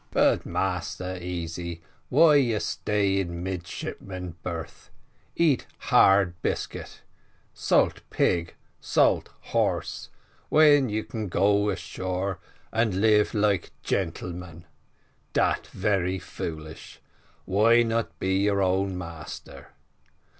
"But, Massa Easy, why you stay in midshipman berth eat hard biscuit, salt pig, salt horse, when you can go shore, and live like gentleman? Dat very foolish! Why not be your own master?